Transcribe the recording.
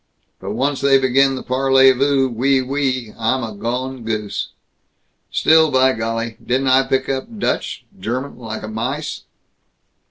But once they begin the parlez vous, oui, oui, I'm a gone goose. Still, by golly, didn't I pick up Dutch German like a mice?